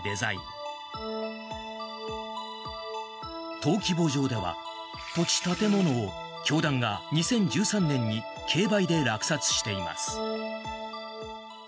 登記簿上では土地・建物を教団が２０１３年に競売で落札しています。